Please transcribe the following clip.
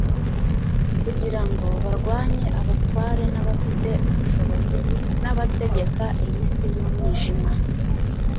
kugira ngo « barwanye abatware n'abafite ubushobozi n'abategeka iyi si y'umwijima,